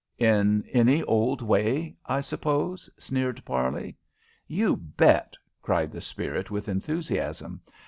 "In any old way, I suppose?" sneered Parley. "You bet!" cried the spirit, with enthusiasm.